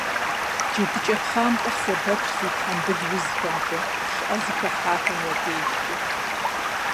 ДжэдыкӀэ пхъампэр сэбэпщ зи тхьэмбыл узхэмкӀэ, щӀыӀэ зыхыхьахэм я дежкӀэ.